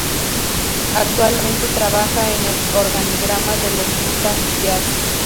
Actualmente trabaja en el organigrama de los Utah Jazz.